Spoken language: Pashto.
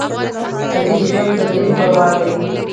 د دوی ژوند د دوی ګواه دی.